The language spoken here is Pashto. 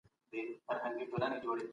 د میلمنو قدر وکړئ.